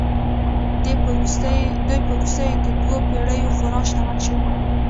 دوی په وروستیو دوو پېړیو کې خورا شتمن شوي وو